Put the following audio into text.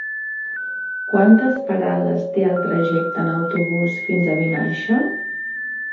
Quantes parades té el trajecte en autobús fins a Vinaixa?